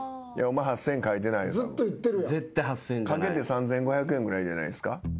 書けて３，５００円ぐらいじゃないっすか？